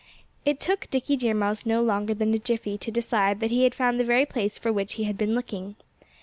It took Dickie Deer Mouse no longer than a jiffy to decide that he had found the very place for which he had been looking.